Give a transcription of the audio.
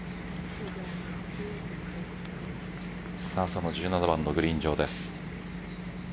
その１７番のグリーン上です。